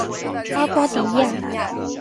阿瓜迪亚。